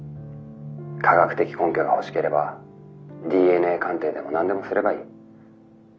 科学的根拠が欲しければＤＮＡ鑑定でも何でもすればいい。